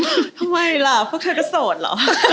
ทำไมล่ะพวกเธอก็โสดเหรอ